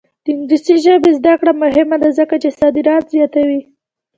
د انګلیسي ژبې زده کړه مهمه ده ځکه چې صادرات زیاتوي.